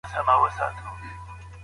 بې هڅې هېڅ شی لاس ته نه راځي.